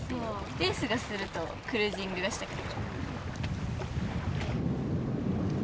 レースがするとクルージングがしたくなる。